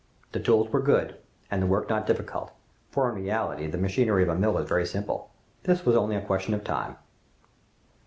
The tools were good, and the work not difficult, for in reality, the machinery of a mill is very simple. This was only a question of time.